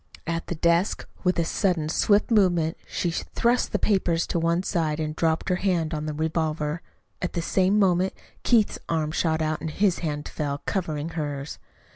At the desk, with a sudden swift movement, she thrust the papers to one side and dropped her hand on the revolver. At the same moment Keith's arm shot out and his hand fell, covering hers.